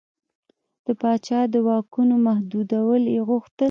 د پاچا د واکونو محدودول یې غوښتل.